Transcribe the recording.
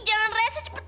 jangan rese cepetan